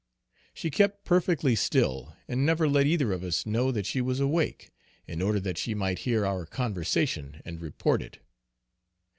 She kept perfectly still, and never let either of us know that she was awake, in order that she might hear our conversation and report it.